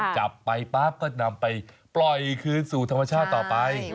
จับไปปั๊บก็นำไปปล่อยคืนสู่ธรรมชาติต่อไป